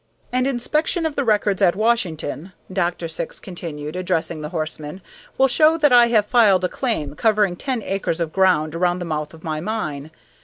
"An inspection of the records at Washington," Dr. Syx continued, addressing the horsemen, "will show that I have filed a claim covering ten acres of ground around the mouth of my mine.